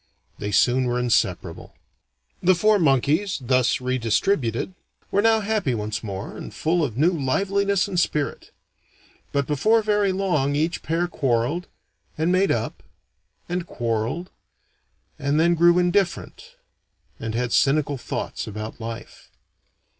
They soon were inseparable. The four monkeys, thus re distributed, were now happy once more, and full of new liveliness and spirit. But before very long, each pair quarreled and made up and quarreled and then grew indifferent, and had cynical thoughts about life.